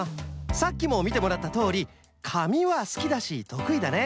さっきもみてもらったとおりかみはすきだしとくいだね。